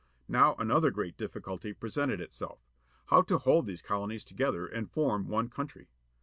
Now another great difficulty presented itself. How to hold these colonies to gether and form one country.